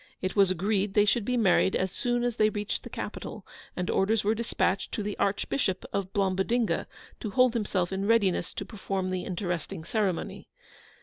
It was agreed they should be married as soon as they reached the capital, and orders were dispatched to the Archbishop of Blombodinga, to hold himself in readiness to perform the interesting ceremony.